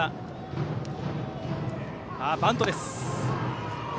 バントです。